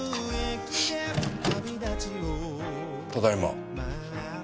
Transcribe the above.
ただいま。